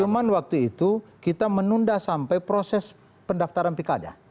cuman waktu itu kita menunda sampai proses pendaftaran pilkada